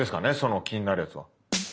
気になるやつは。